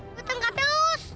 aku tengah terus